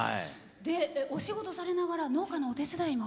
お仕事されながら農家のお手伝いも。